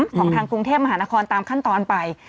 ของทางกรุงเทพมหานครตามขั้นตอนไป